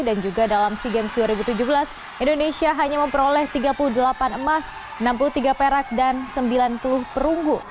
dan juga dalam sea games dua ribu tujuh belas indonesia hanya memperoleh tiga puluh delapan emas enam puluh tiga perak dan sembilan puluh perunggu